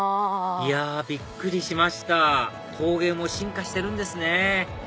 いやびっくりしました陶芸も進化してるんですね